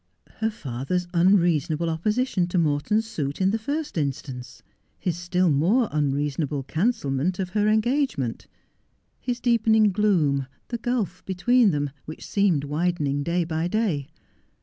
Her father's unreasonable opposition to Morton's suit in the first instance ; his still more unreasonable cancelment of her engagement ; his deepening gloom ; the gulf between them, which seemed widening day by day.